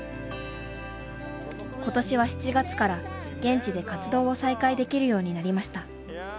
ことしは７月から現地で活動を再開できるようになりました。